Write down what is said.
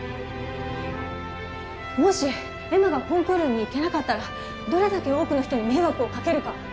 もし恵麻がコンクールに行けなかったらどれだけ多くの人に迷惑をかけるか。